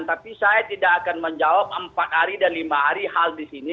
tapi saya tidak akan menjawab empat hari dan lima hari hal di sini